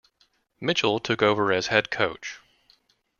Mitchell took over as head coach.